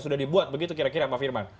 sudah dibuat begitu kira kira pak firman